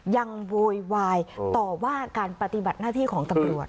โวยวายต่อว่าการปฏิบัติหน้าที่ของตำรวจ